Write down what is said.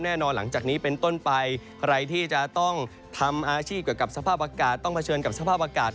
หลังจากนี้เป็นต้นไปใครที่จะต้องทำอาชีพเกี่ยวกับสภาพอากาศต้องเผชิญกับสภาพอากาศ